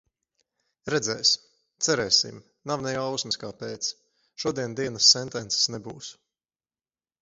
Redzēs. Cerēsim. Nav ne jausmas, kāpēc. Šodien dienas sentences nebūs.